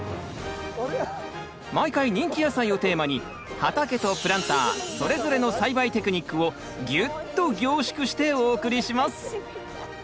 毎回人気野菜をテーマに畑とプランターそれぞれの栽培テクニックをぎゅっと凝縮してお送りします。